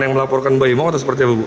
yang melaporkan bayi mau atau seperti apa bu